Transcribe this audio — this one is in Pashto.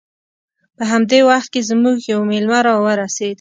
په همدې وخت کې زموږ یو میلمه راورسید